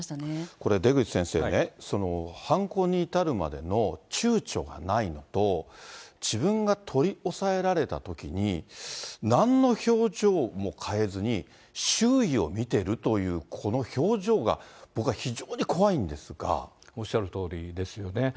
これ、出口先生ね、犯行に至るまでのちゅうちょがないのと、自分が取り押さえられたときに、なんの表情も変えずに、周囲を見てるという、この表情が、おっしゃるとおりですよね。